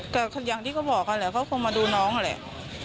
แต่อย่างที่เขาบอกเขาคงมาดูน้องแหละ